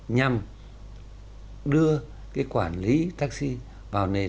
nhằm đưa cái quản lý taxi vào nền